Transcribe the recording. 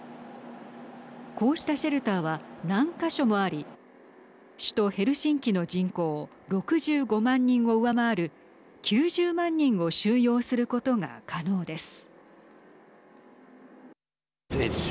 こうしたシェルターは何か所もあり首都ヘルシンキの人口６５万人を上回る９０万人を収容することが可能です。